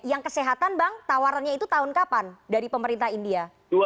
yang kesehatan bang tawarannya itu tahun kapan dari pemerintah india